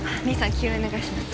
吸引お願いします